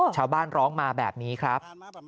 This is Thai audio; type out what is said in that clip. ชาวบ้านร้องมาแบบนี้ครับ